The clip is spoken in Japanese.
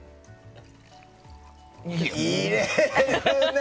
入れるね！